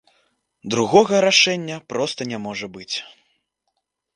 Другога рашэння проста не можа быць.